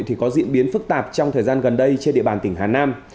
thì có diễn biến phức tạp trong thời gian gần đây trên địa bàn tỉnh hà nam